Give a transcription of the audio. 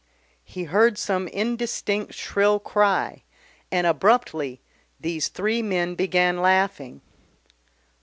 He heard some indistinct shrill cry, and abruptly these three men began laughing.